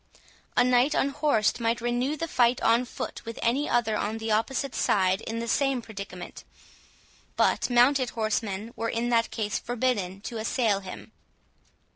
A knight unhorsed might renew the fight on foot with any other on the opposite side in the same predicament; but mounted horsemen were in that case forbidden to assail him.